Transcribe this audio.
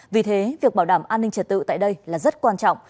vì thế việc bảo đảm an ninh trật tự tại đây là rất quan trọng